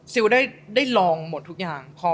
ซิลได้ลองหมดทุกอย่าง